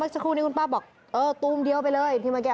เมื่อเจ้าครูนี้คุณป้าบอกเออตูมเดียวไปเลยที่มาแก